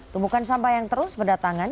tumpukan sampah yang terus berdatangan